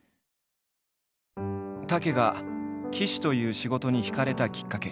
武が騎手という仕事に惹かれたきっかけ。